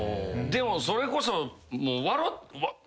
でもそれこそもう。